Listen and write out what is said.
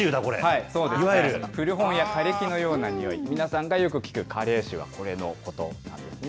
古本や、枯れ木のようなにおい、皆さんがよく聞く加齢臭は、これのことなんですね。